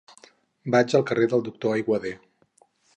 Vaig al carrer del Doctor Aiguader.